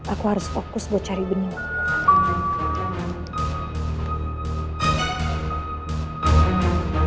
aku harus fokus buat cari benih